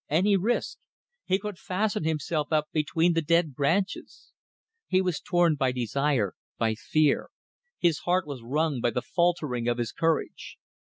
Any risk! He could fasten himself up between the dead branches. He was torn by desire, by fear; his heart was wrung by the faltering of his courage.